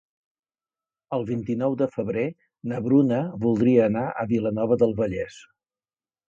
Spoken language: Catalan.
El vint-i-nou de febrer na Bruna voldria anar a Vilanova del Vallès.